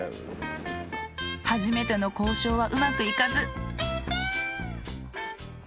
初めての交渉はうまくいかず。